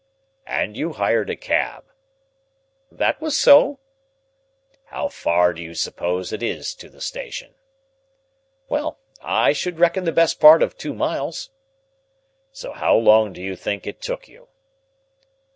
"And you hired a cab?" "That was so." "How far do you suppose it is to the station?" "Well, I should reckon the best part of two miles." "So how long do you think it took you?"